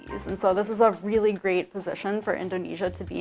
jadi ini adalah posisi yang sangat bagus untuk indonesia untuk mencari